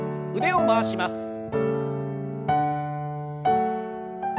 腕を回します。